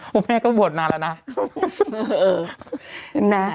คุณแม่ก็บวชนานแล้วนะ